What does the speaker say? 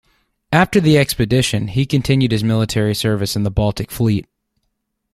After the expedition, he continued his military service in the Baltic Fleet.